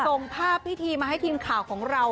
ส่งภาพพิธีมาให้ทีมข่าวของเรา